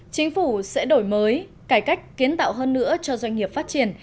chính phủ sẽ đổi mới cải cách kiến tạo hơn nữa cho doanh nghiệp phát triển